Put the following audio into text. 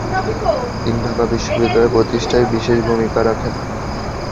তিনি ঢাকা বিশ্ববিদ্যালয় প্রতিষ্ঠায় বিশেষ ভুমিকা রাখেন।